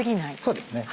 そうですね